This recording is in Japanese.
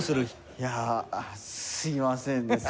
いやあすいませんです。